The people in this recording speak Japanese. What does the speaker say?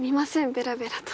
ベラベラと。